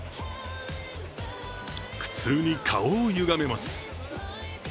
苦痛に顔をゆがめます。